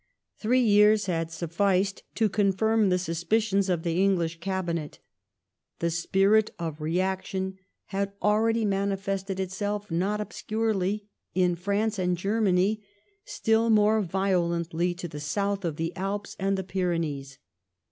Three years had sufficed to confirm the suspicions of the English Cabinet. The spirit of reaction had already manifested itself, not obscurely, in France and Germany, still more violently to the south of the Alps and the Pyrenees.